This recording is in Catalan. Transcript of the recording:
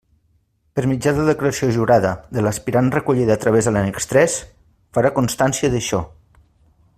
Per mitjà de declaració jurada de l'aspirant recollida a través de l'annex tres, farà constància d'això.